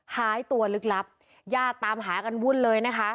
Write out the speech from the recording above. หายตัวลึกลับญาติตามหากันวุ่นเลยนะคะ